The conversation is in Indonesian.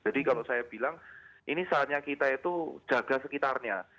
jadi kalau saya bilang ini saatnya kita itu jaga sekitarnya